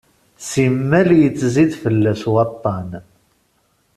Simmal yettzid fell-as waṭṭan.